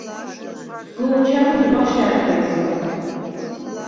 სგო̄ჩა̈დდ ღვაშა̈რთე̄ჲსგა.